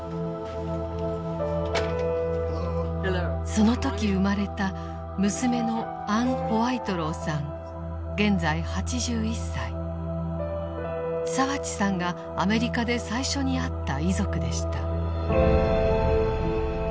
その時生まれた澤地さんがアメリカで最初に会った遺族でした。